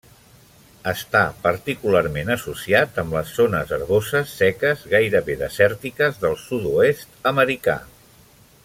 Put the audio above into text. Està particularment associat amb les zones herboses seques gairebé desèrtiques del sud-oest americà.